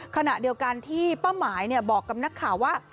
ขณะเดียวกันที่ป้าหมายบอกกับนักข่าวว่า